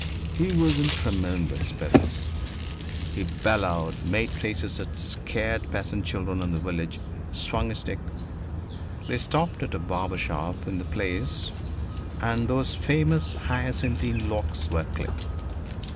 He was in tremendous spirits. He bellowed, made faces at scared peasant children in the village, swung his stick. They stopped at a barber shop in the place and those famous hyacinthine locks were clipped.